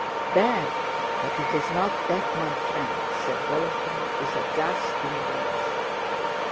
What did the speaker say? "Bad! But it's not that, my friend—" said Dólokhov with a gasping voice.